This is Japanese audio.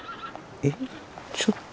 えっちょっと。